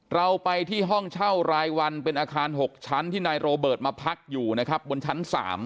เราไปที่ห้องเช่ารายวันเป็นอาคาร๖ชั้นที่นายโรเบิร์ตมาพักอยู่นะครับบนชั้น๓